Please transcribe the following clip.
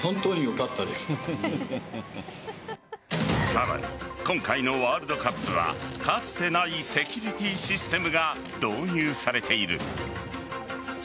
さらに今回のワールドカップはかつてないセキュリティーシステムが導入されている。